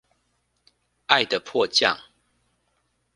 愛的迫降